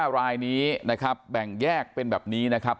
รายนี้นะครับแบ่งแยกเป็นแบบนี้นะครับ